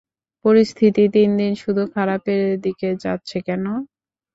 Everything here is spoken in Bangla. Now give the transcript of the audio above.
পরিস্থিতি দিনদিন শুধু খারাপের দিকে যাচ্ছে কেন?